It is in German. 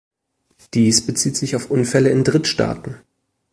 Dies bezieht sich auf Unfälle in Drittstaaten.